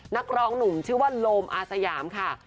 นักร้องหนุ่มชื่อว่าโลมอาสยามค่ะ